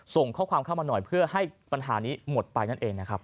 ส่งข้อความเข้ามาหน่อยเพื่อให้ปัญหานี้หมดไปนั่นเองนะครับ